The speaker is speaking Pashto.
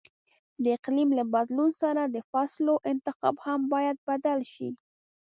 د اقلیم له بدلون سره د فصلو انتخاب هم باید بدل شي.